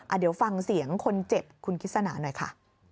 เดี๋ยวฟังเสียงคนเจ็บคุณคิดสนาหน่อยค่ะ